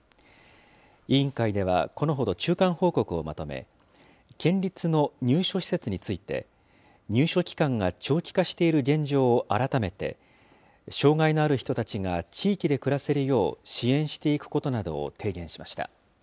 委員会ではこのほど、中間報告をまとめ、県立の入所施設について、入所期間が長期化している現状を改めて、障害のある人たちが地域で暮らせるよう、支援していくことなどを提言しました。